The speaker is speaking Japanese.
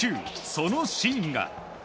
そのシーンが。